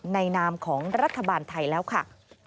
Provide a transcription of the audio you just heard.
นามของรัฐบาลไทยแล้วค่ะ